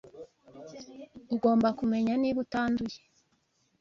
Ugomba kumenya niba utanduye